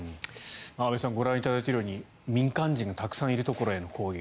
安部さんご覧いただいているように民間人がたくさんいるところへの攻撃。